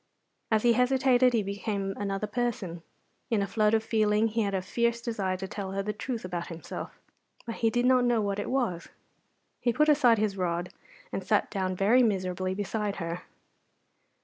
As he hesitated he became another person. In a flood of feeling he had a fierce desire to tell her the truth about himself. But he did not know what it was. He put aside his rod, and sat down very miserably beside her.